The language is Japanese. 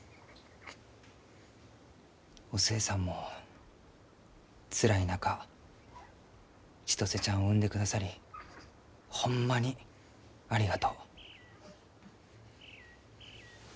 お寿恵さんもつらい中千歳ちゃんを産んでくださりホンマにありがとう。